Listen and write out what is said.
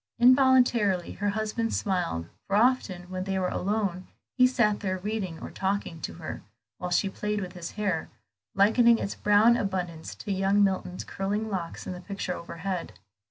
Involuntarily her husband smiled; for often when they were alone he sat there reading or talking to her, while she played with his hair, likening its brown abundance to young Milton's curling locks in the picture overhead.